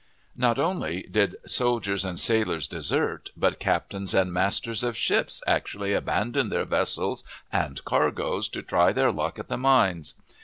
Not only did soldiers and sailors desert, but captains and masters of ships actually abandoned their vessels and cargoes to try their luck at the mines.